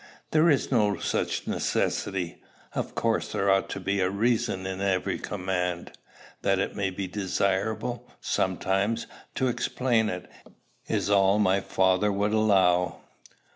There is no such necessity. Of course there ought to be a reason in every command. That it may be desirable, sometimes, to explain it, is all my father would allow.